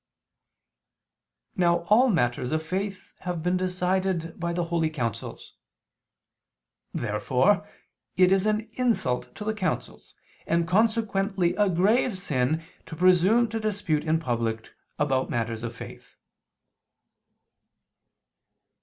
Now all matters of faith have been decided by the holy councils. Therefore it is an insult to the councils, and consequently a grave sin to presume to dispute in public about matters of faith.